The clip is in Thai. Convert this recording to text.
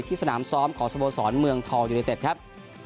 สนามซ้อมของสโมสรเมืองทองยูเนเต็ดครับ